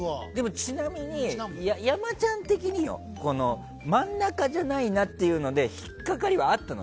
ちなみに山ちゃん的に真ん中じゃないなっていうので引っ掛かりはあったの？